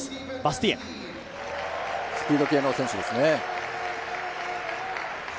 スピード系の選手ですね。